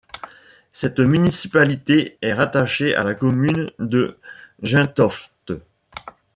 Cette municipalité est rattachée à la commune de Gentofte.